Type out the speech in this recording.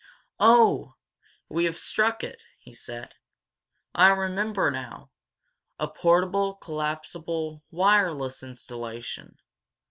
"Oh! We have struck it!" he said. "I remember now a portable, collapsible wireless installation!